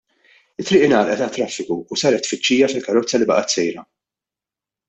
It-triq ingħalqet għat-traffiku u saret tfittxija fil-karozza li baqgħet sejra.